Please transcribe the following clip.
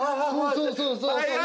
そうそうそうそう。